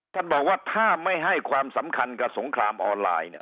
ท่านบอกว่าถ้าไม่ให้ความสำคัญกับสงครามออนไลน์เนี่ย